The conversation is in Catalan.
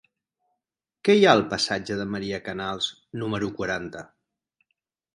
Què hi ha al passatge de Maria Canals número quaranta?